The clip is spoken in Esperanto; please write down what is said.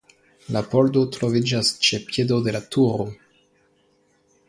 La pordo troviĝas ĉe piedo de la turo.